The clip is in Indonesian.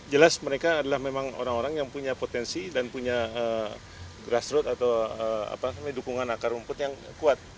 jelas mereka adalah memang orang orang yang punya potensi dan punya grassroot atau dukungan akar rumput yang kuat